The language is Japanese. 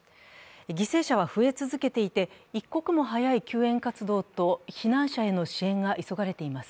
犠牲者は増え続けていて一刻も早い救援活動と避難者への支援が急がれています。